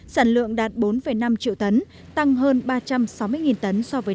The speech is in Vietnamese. sản lượng đạt bốn năm triệu tấn tăng hơn ba trăm sáu mươi tạ